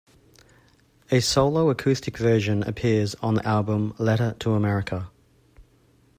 A solo acoustic version appears on the album "Letter to America".